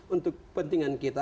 untuk kepentingan kita